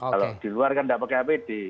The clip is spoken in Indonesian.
kalau di luar kan tidak pakai apd